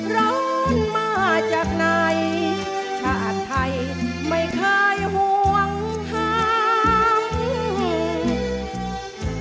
ร้อนมาจากไหนชาติไทยไม่เคยห่วงห้าม